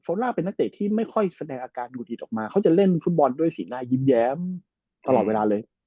ล่าเป็นนักเตะที่ไม่ค่อยแสดงอาการดูดอิดออกมาเขาจะเล่นฟุตบอลด้วยสีหน้ายิ้มแย้มตลอดเวลาเลย